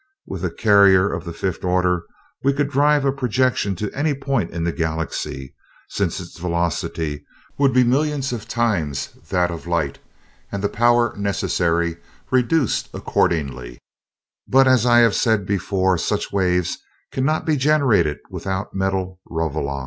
With a carrier of the fifth order we could drive a projection to any point in the galaxy, since its velocity would be millions of times that of light and the power necessary reduced accordingly but as I have said before, such waves cannot be generated without metal Rovolon."